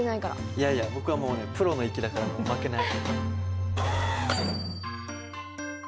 いやいや僕はもうねプロの域だから負けない。